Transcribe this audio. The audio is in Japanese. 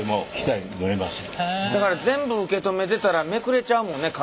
だから全部受け止めてたらめくれちゃうもんね風。